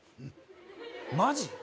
マジ？